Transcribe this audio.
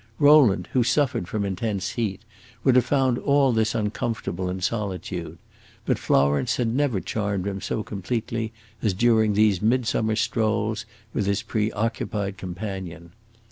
Rowland, who suffered from intense heat, would have found all this uncomfortable in solitude; but Florence had never charmed him so completely as during these midsummer strolls with his preoccupied companion.